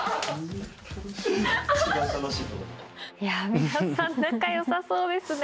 皆さん仲良さそうですね。